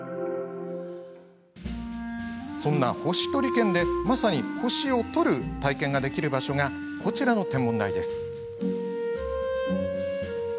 そんな星取県で、まさに星を取る体験ができる場所がこちらの天文台。